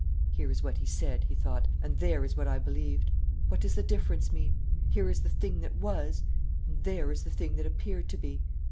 "Here is what he said," he thought, "and there is what I believed. What does the difference mean? Here is the thing that was, and there is the thing that appeared to be.